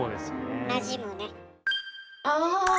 なじむね。